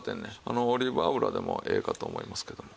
オリーブ油でもええかと思いますけども。